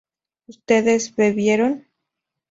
¿ustedes bebieron?